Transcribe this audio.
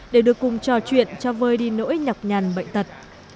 để được cùng trò chuyện cho vơi đi nỗi nhọc nhằn bệnh tật